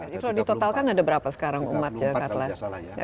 kalau ditotalkan ada berapa sekarang umatnya